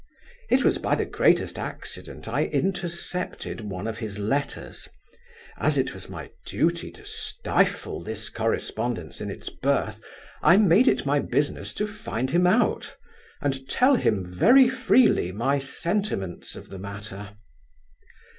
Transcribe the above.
It was by the greatest accident I intercepted one of his letters; as it was my duty to stifle this correspondence in its birth, I made it my business to find him out, and tell him very freely my sentiments of the matter.